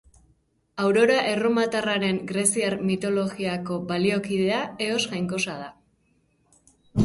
Aurora erromatarraren greziar mitologiako baliokidea, Eos jainkosa da.